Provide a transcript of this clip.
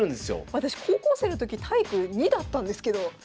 私高校生の時体育２だったんですけど。